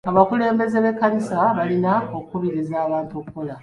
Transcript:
Abakulembeze b'ekkanisa balina okukubiriza abantu okukola.